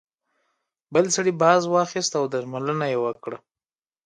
بل سړي باز واخیست او درملنه یې وکړه.